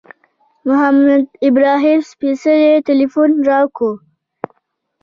محمد ابراهیم سپېڅلي تیلفون را وکړ.